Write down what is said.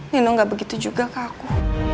nino nggak begitu juga ke aku